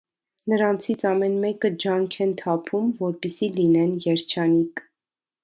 Նրանցից ամեն մեկը ջանք են թափում, որպեսզի լինեն երջանիկ։